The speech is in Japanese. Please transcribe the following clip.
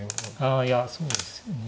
ああいやそうですよね。